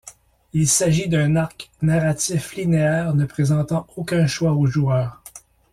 Il s'agit d'un arc narratif linéaire ne présentant aucun choix au joueur.